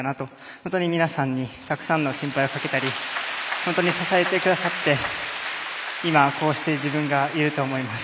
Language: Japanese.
本当に皆さんにたくさんの心配をかけたり支えてくださって今、こうして自分がいると思います。